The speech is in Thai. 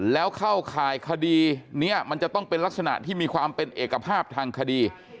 แล้วเข้าข่ายคดีนี้มันจะต้องเป็นลักษณะที่มีความเป็นเอกภาพทางคดี